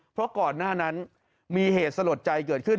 เพราะก่อนหน้านั้นมีเหตุสลดใจเกิดขึ้น